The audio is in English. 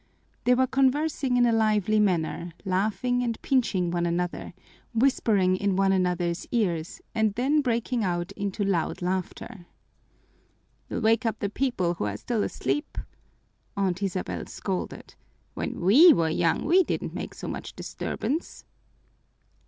They were conversing in a lively manner, laughing and pinching one another, whispering in one another's ears and then breaking out into loud laughter. "You'll wake up the people who are still asleep," Aunt Isabel scolded. "When we were young, we didn't make so much disturbance."